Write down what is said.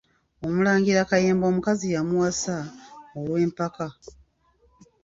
Omulangira Kayemba omukazi yamuwasa, olw'empaka.